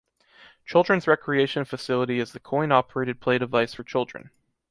Children's recreation facility is the coin-operated play device for children.